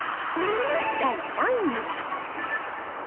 第３位。